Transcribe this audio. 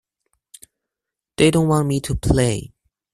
They don't want me to play.